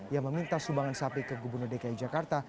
yang meminta sumbangan sapi ke gubernur dki jakarta